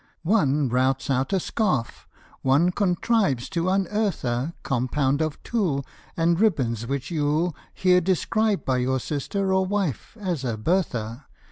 " One routs out a scarf, one contrives to unearth a Compound of tulle And ribbons which you'll Hear described by your sister or wife as a Bertha.